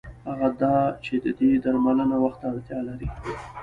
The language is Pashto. هغه دا چې د دې درملنه وخت ته اړتیا لري.